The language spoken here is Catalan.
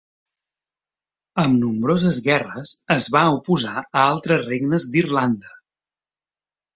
Amb nombroses guerres, es va oposar a altres regnes d'Irlanda.